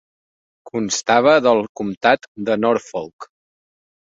Constava del comtat de Norfolk.